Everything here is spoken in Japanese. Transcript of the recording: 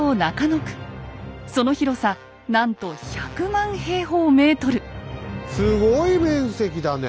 その広さなんとすごい面積だね。